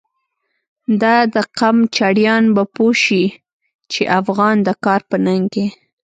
دا د قم چړیان به پوه شی، چی افغان د کار په ننگ کی